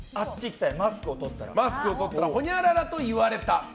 マスクを取ったらほにゃららと言われた。